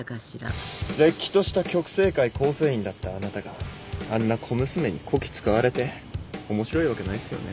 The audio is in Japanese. れっきとした極征会構成員だったあなたがあんな小娘にこき使われて面白いわけないですよね